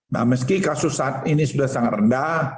nah meski kasus saat ini sudah sangat rendah